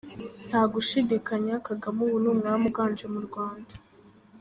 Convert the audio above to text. Ntagushidikanya Kagame ubu ni umwami uganje mu Rwanda.